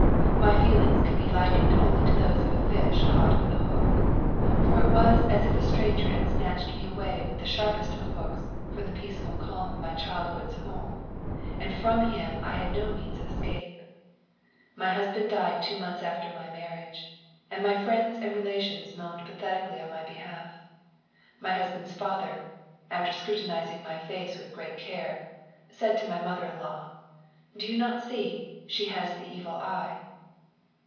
My feelings can be likened only to those of a fish caught with a hook. For it was as if a stranger had snatched me away with the sharpest of hooks from the peaceful calm of my childhood's home and from him I had no means of escape. My husband died two months after my marriage, and my friends and relations moaned pathetically on my behalf. My husband's father, after scrutinising my face with great care, said to my mother in law: "Do you not see, she has the evil eye?"